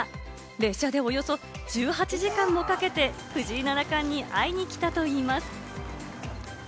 列車でおよそ１８時間もかけて、藤井七冠に会いに来たといいます。